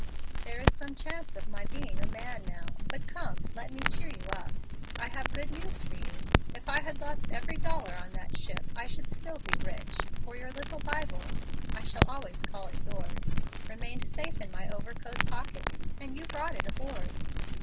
There is some chance of my being a man now. But come, let me cheer you up. I have good news for you. If I had lost every dollar on that ship I should still be rich, for your little Bible (I shall always call it yours) remained safe in my overcoat pocket, and you brought it aboard.